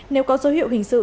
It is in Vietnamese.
nếu có dấu hiệu hình sự